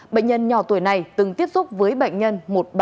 bệnh nhân nhỏ tuổi này từng tiếp xúc với bệnh nhân một nghìn ba trăm bốn mươi bảy